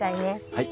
はい。